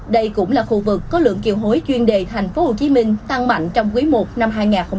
đây cũng là khu vực có lượng kiều hối chuyên đề tp hcm tăng mạnh trong quý i năm hai nghìn hai mươi bốn